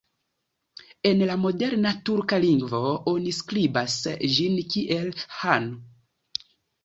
En la moderna turka lingvo oni skribas ĝin kiel "han".